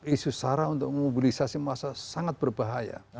isu sarah untuk memobilisasi masa sangat berbahaya